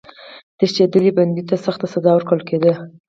تښتېدلي بندي ته سخته سزا ورکول کېده.